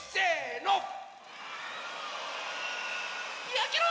やけろ！